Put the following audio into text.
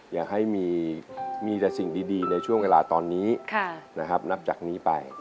อยากให้มีแต่สิ่งดีในช่วงเวลาตอนนี้นะครับนับจากนี้ไป